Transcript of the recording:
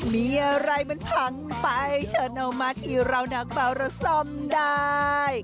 มีอะไรมันพังไปเชิญเอามาที่เรานักเบาเราซ่อมได้